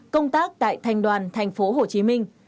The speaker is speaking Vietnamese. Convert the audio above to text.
công tác tại thành đoàn tp hcm